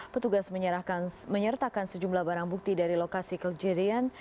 petugas menyertakan sejumlah barang bukti dari lokasi kejadian